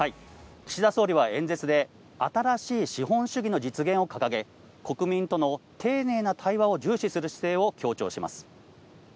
岸田総理は演説で新しい資本主義の実現を掲げ、国民との丁寧な対話を重視する姿勢を強調します。